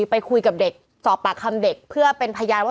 ไปคุยกับเด็กสอบปากคำเด็กเพื่อเป็นพยานว่า